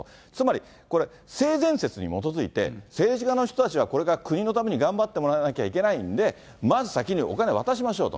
つまり、これ、性善説に基づいて、政治家の人たちはこれから国のために頑張ってもらわなきゃいけないんで、まず先にお金渡しましょうと。